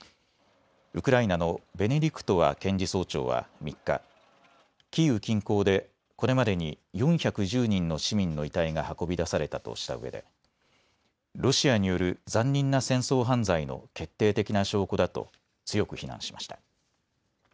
ウクライナのベネディクトワ検事総長は３日、キーウ近郊でこれまでに４１０人の市民の遺体が運び出されたとしたうえでロシアによる残忍な戦争犯罪の決定的な証拠だと強く非難しました。